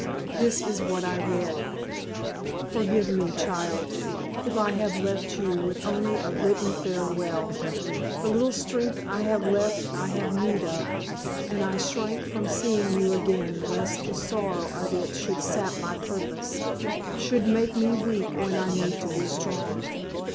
This is what I read: "Forgive me, child, if I have left you with only a written farewell. The little strength I have left I have need of, and I shrank from seeing you again lest the sorrow of it should sap my purpose; should make me weak when I need to be strong.